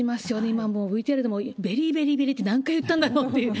今もうＶＴＲでも、ベリー、ベリー、ベリーって何回言ったんだろうっていう。